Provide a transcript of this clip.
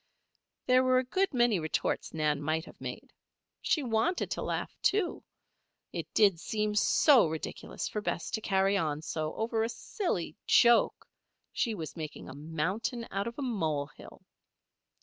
There were a good many retorts Nan might have made. She wanted to laugh, too. It did seem so ridiculous for Bess to carry on so over a silly joke. She was making a mountain out of a molehill.